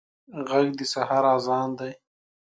غږ د سحر اذان دی